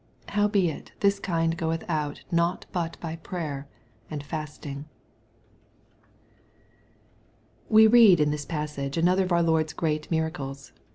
21 Howbeit this kind goeth not out but by prayer and &stii^. We read in this passage another of our Lord's great miracles.